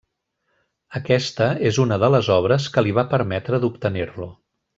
Aquesta és una de les obres que li va permetre d'obtenir-lo.